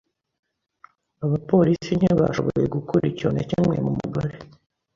Abapolisi ntibashoboye gukura ikintu na kimwe mu mugore.